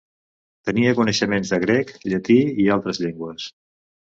Tenia coneixements de grec, llatí i altres llengües.